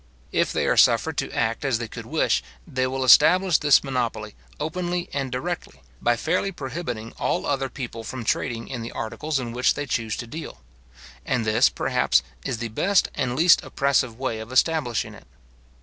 If they are suffered to act as they could wish, they will establish this monopoly openly and directly, by fairly prohibiting all other people from trading in the articles in which they choose to deal; and this, perhaps, is the best and least oppressive way of establishing it.